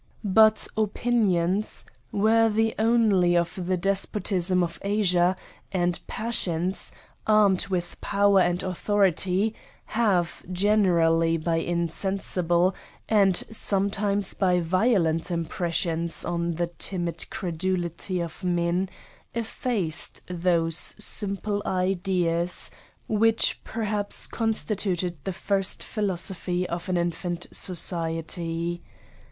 But opinions, worthy only of the despotism of Asia, and passions, armed with power and autho rity, have, generally by insensible, and sometimes by violent impressions on the timid credulity of men, effaced those simple ideas which perhaps constituted the first philosophy of an infant society.